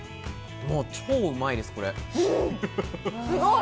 超うまいです、これ。